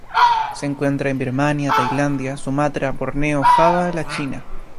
Se encuentra en Birmania, Tailandia, Sumatra, Borneo, Java, la China